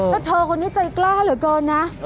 แล้วเธอคนนี้ใจกล้าเหลือเกินนะ